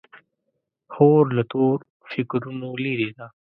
خور له تور فکرونو لیرې ده.